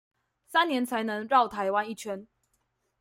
三年才能繞台灣一圈